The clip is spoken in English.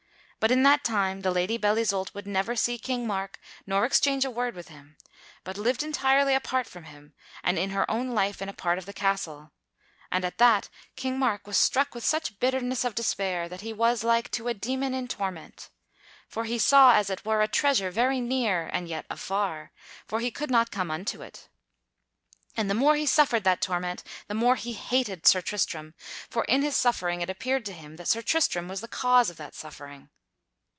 But in that time the Lady Belle Isoult would never see King Mark nor exchange a word with him, but lived entirely apart from him and in her own life in a part of the castle; and at that King Mark was struck with such bitterness of despair that he was like to a demon in torment. For he saw, as it were, a treasure very near and yet afar, for he could not come unto it. And the more he suffered that torment, the more he hated Sir Tristram, for in his suffering it appeared to him that Sir Tristram was the cause of that suffering.